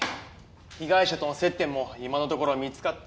被害者との接点も今のところは見つかってない。